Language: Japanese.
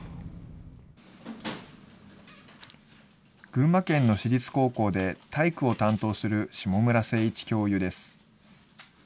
群馬県の私立高校で体育を担当する霜村誠一教諭です。